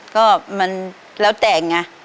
ก็มันแล้วแต่ไง